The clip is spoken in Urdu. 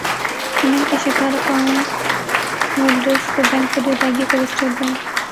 اسکمنگ کے شکار اکانٹ ہولڈرز کو بینک پوری ادائیگی کرے اسٹیٹ بینک